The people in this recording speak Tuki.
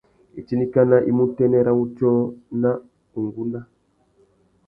Itindikana i mú utênê râ wutiō na ungúná.